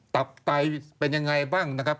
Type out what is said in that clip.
ตับไตเป็นยังไงบ้างนะครับ